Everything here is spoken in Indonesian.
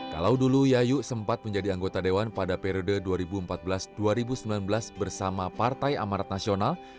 kalau dulu yayu sempat menjadi anggota dewan pada periode dua ribu empat belas dua ribu sembilan belas bersama partai amarat nasional